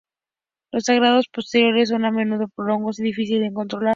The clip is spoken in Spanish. Los sangrados posteriores son a menudo prolongados y difíciles de controlar.